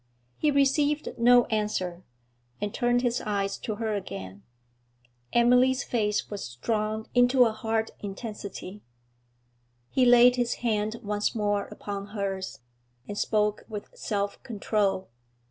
He received no answer, and turned his eyes to her again. Emily's face was strung into a hard intensity. He laid his hand once more upon hers, and spoke with self control.